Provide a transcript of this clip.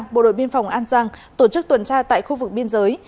bộ đội biên phòng an giang tổ chức tuần tra tại khu vực biên giới